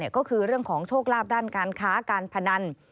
ก็คือเรื่องของโชคลาภด้านการค้าการพนัน